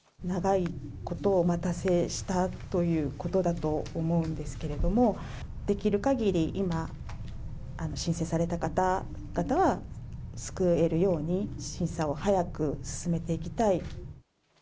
長いことお待たせしたということだと思うんですけれども、できるかぎり、今、申請された方々は救えるように、審査を早く進めていきたい。